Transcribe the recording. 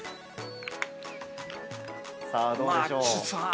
さあどうでしょう？